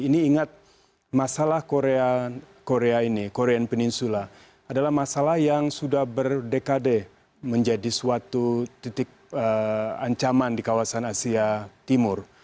ini ingat masalah korea ini korean peninsula adalah masalah yang sudah berdekade menjadi suatu titik ancaman di kawasan asia timur